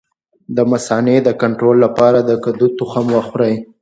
د مثانې د کنټرول لپاره د کدو تخم وخورئ